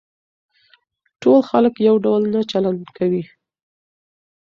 ټول خلک يو ډول نه چلن کوي.